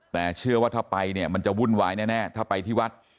แต่เชื่อว่าถ้าไปเนี่ยมันจะวุ่นวายแน่ถ้าไปที่วัด